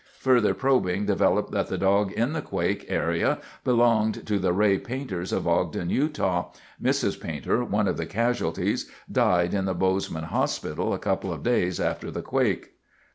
Further probing developed that the dog in the quake area belonged to the Ray Painters of Ogden, Utah. Mrs. Painter, one of the casualties, died in the Bozeman hospital a couple of days after the quake.